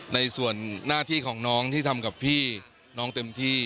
ในส่วนหน้าที่ของน้องที่ทำกับพี่น้องเต็มที่